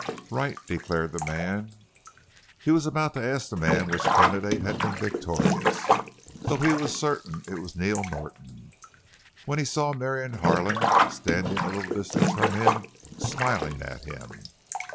"Right!" declared the man. He was about to ask the man which candidate had been victorious—though he was certain it was Neil Norton—when he saw Marion Harlan, standing a little distance from him, smiling at him.